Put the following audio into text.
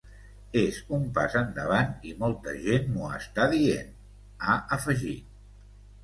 És un pas endavant i molta gent m’ho està dient, ha afegit.